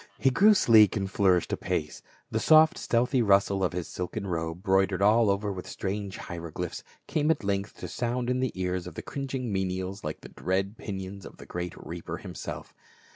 He grew sleek and flourishing apace ; the soft stealthy rustle of his silken robe, 'broidered all over with strange hieroglyphs, came at length to sound in the ears of the cringing menials like the dread pinions of the great reaper himself.